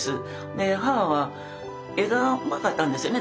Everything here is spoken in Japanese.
で母は絵がうまかったんですよね。